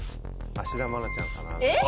芦田愛菜ちゃん？